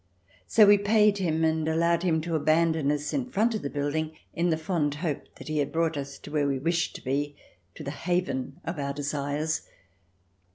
So we paid him and allowed him to abandon us in front of the building, in the fond hope that he had brought us where we wished to be — to the haven of our desires.